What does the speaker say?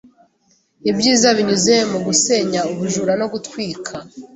Ibyiza binyuze mu gusenya ubujura no gutwika